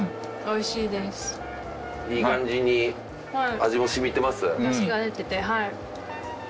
いい感じに味も染みてます？